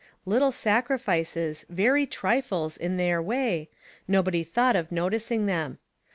Little sacrifices, very trifles in their way, nobody thought of noticing them.